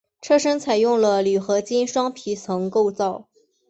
车身采用了铝合金双皮层构造。